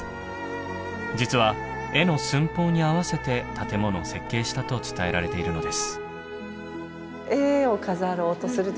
実は絵の寸法に合わせて建物を設計したと伝えられているのです。